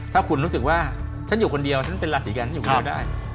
ถ้าคุณรู้สึกว่าฉันอยู่คนเดียวฉันเป็นราศีกันฉันอยู่คนเดียวได้